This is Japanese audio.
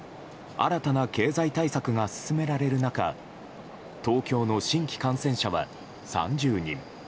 新たな経済対策が進められる中東京の新規感染者は３０人。